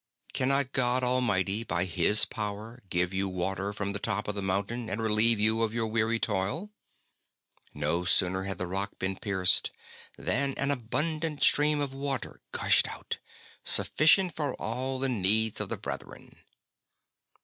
Cannot God Almighty by His power give you water from the top of the mountain and relieve you of your weary toil ?" No sooner had the rock been pierced than an abundant stream of water gushed out, sufficient for all the needs of the brethren.